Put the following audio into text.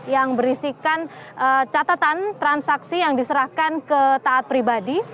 yang berisikan catatan transaksi yang diserahkan ke taat pribadi